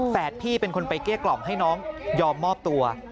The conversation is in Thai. พี่เป็นคนไปเกลี้ยกล่อมให้น้องยอมมอบตัว